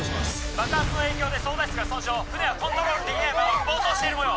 爆発の影響で操舵室が損傷船はコントロールできないまま暴走している模様